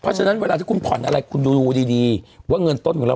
เพราะฉะนั้นเวลาที่คุณผ่อนอะไรคุณดูดีว่าเงินต้นของเรา